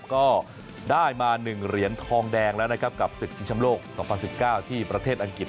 ก็ได้มา๑เหรียญทองแดงแล้วนะครับกับศึกชิงชำโลก๒๐๑๙ที่ประเทศอังกฤษ